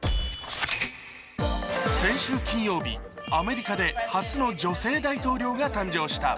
先週金曜日、アメリカで初の女性大統領が誕生した。